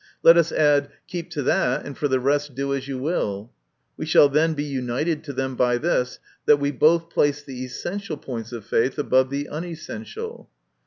Let us add, "Keep to that, and for the rest do as you will." We shall then be united to them by this, that we both place the essential points of faith above the unessential.